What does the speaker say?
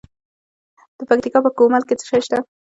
د پکتیکا په ګومل کې څه شی شته؟